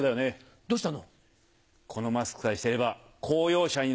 どうしたの？